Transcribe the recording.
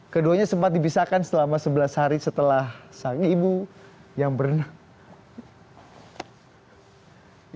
keduanya sempat dibisarkan selama sebelas hari setelah sayang ibu yang bernah